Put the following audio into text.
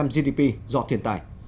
một năm gdp do thiên tai